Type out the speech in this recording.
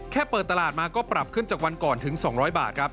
เปิดตลาดมาก็ปรับขึ้นจากวันก่อนถึง๒๐๐บาทครับ